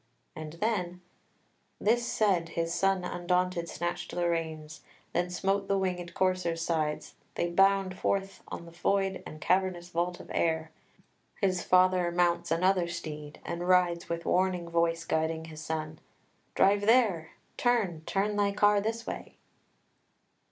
And then "This said, his son undaunted snatched the reins, Then smote the winged coursers' sides: they bound Forth on the void and cavernous vault of air. His father mounts another steed, and rides With warning voice guiding his son. 'Drive there! Turn, turn thy car this way.